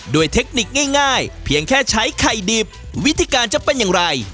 เทคนิคง่ายเพียงแค่ใช้ไข่ดิบวิธีการจะเป็นอย่างไร